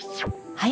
はい。